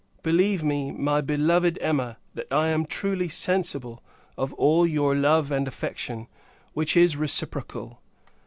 Believe me, my beloved Emma, that I am truly sensible of all your love and affection, which is reciprocal.